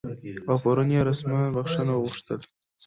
او پرون یې رسما بخښنه وغوښته